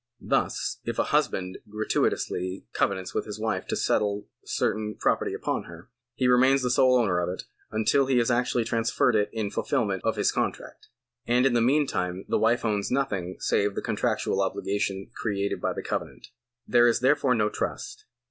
Thus if a husband gratuitously covenants with his wife to settle certain property upon her, he remains the sole owner of it, until he has actually trans ferred it in fulfilment of his contract ; and in the meantime the wife owns nothing save the contractual obligation created by the covenant. There is therefore no trust.